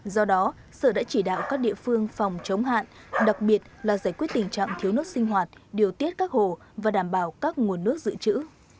do đó sở đã chỉ đạo các địa phương phòng chống hạn đặc biệt là giải quyết tình trạng thiếu nước sinh hoạt điều tiết các hồ và đảm bảo các nguồn nước dự trữ